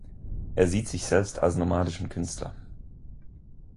Er sieht sich selbst als nomadischen Künstler.